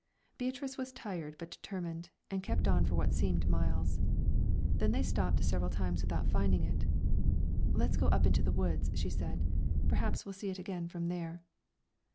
Beatrice was tired but determined, and kept on for what seemed miles. Then they stopped several times without finding it. "Let's go up into the woods," she said; "perhaps we'll see it again from there."